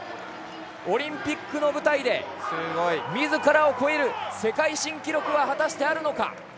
オリンピックの舞台でみずからを超える世界新記録は果たして、あるのか。